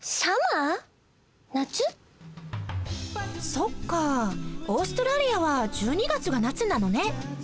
そっかあオーストラリアは１２月が夏なのね！